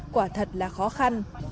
quả thật là khó khăn